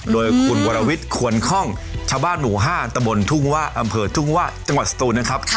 โดยคุณวรวิทย์ควรคล่องชาวบ้านหมู่๕ตะบนทุ่งว่าอำเภอทุ่งว่าจังหวัดสตูนนะครับ